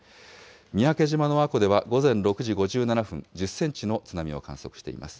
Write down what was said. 三宅島の阿古では午前６時５７分、１０センチの津波を観測しています。